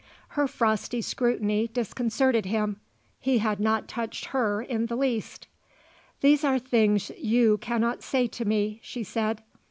Her frosty scrutiny disconcerted him. He had not touched her in the least. "These are things you cannot say to me," she said.